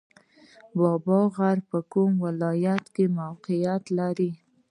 بابا غر په کوم ولایت کې موقعیت لري؟